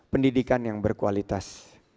pendidikan yang berkualitas